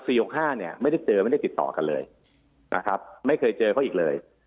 หกห้าเนี่ยไม่ได้เจอไม่ได้ติดต่อกันเลยนะครับไม่เคยเจอเขาอีกเลย